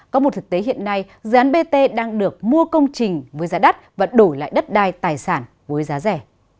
có một thực tế hiện nay dự án bt đang được mua công trình với giá đắt và đổi lại đất đai tài sản với giá rẻ